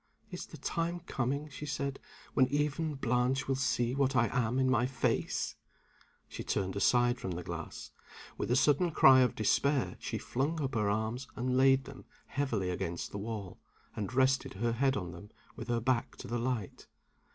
"Is the time coming," she said, "when even Blanche will see what I am in my face?" She turned aside from the glass. With a sudden cry of despair she flung up her arms and laid them heavily against the wall, and rested her head on them with her back to the light.